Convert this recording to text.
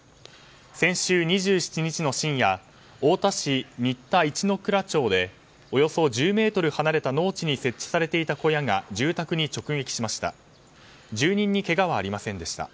先週２７日の深夜太田市新田市野倉町でおよそ１０ｍ離れた農地に設置されていた小屋が住宅に直撃しました。